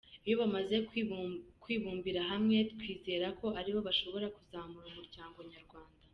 Iyo bamaze kwibumbira hamwe, twizera ko aribo bashobora kuzamura umuryango nyarwanda”.